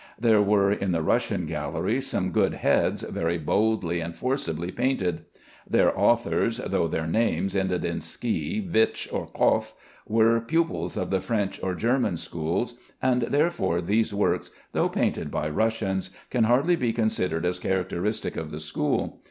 There were in the Russian gallery some good heads very boldly and forcibly painted. Their authors, though their names ended in "sky," "vich," or "koff," were pupils of the French or German schools, and therefore these works, though painted by Russians, can hardly be considered as characteristic of the school.